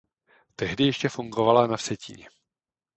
Tehdy ještě fungovala na Vsetíně.